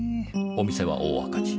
お店は大赤字。